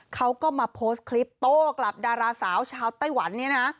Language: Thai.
เขาก็มาโพสต์คลิปโต้กลับดาราสาวชาวไต้หวันเนี่ยนะ